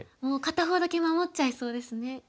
もう片方だけ守っちゃいそうですね。